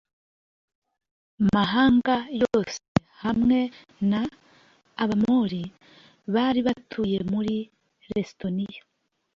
mahanga yose hamwe n abamori bari batuye muri lestonia